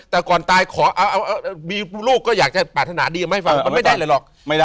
แต่ก่อนตายขอมีลูกก็อยากจะปรารถนาดีกว่าไม่ได้หรอก